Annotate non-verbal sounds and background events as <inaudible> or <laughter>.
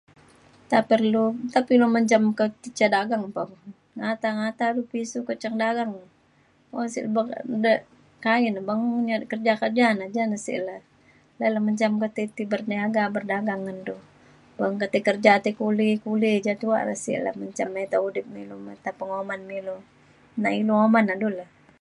nta perlu nta pe ilu menjam ka ti ca dagang pa. ngata ngata lu pisiu ke ca dagang. un sek bek de kaya ne beng ne cari kerja kerja na. ja na sek le dalem menjam ketai ti berniaga berdagang ngan du. <unintelligible> tai kerja tai kuli kuli ja tuak re sek le menjam mita udip ne ilu mita penguman ilu. nai inu uman ngan du le.